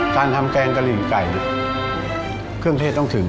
การทำแกงกะหรี่ไก่เครื่องเทศต้องถึง